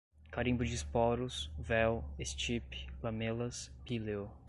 carimbo de esporos, véu, estipe, lamelas, píleo